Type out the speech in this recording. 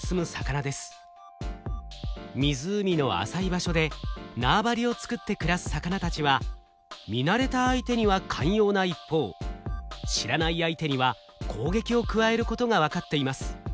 湖の浅い場所で縄張りを作って暮らす魚たちは見慣れた相手には寛容な一方知らない相手には攻撃を加えることが分かっています。